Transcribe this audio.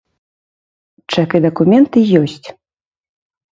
Чэк і дакументы ёсць.